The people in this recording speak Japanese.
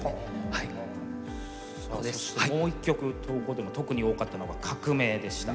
もう一曲投稿でも特に多かったのが「革命」でした。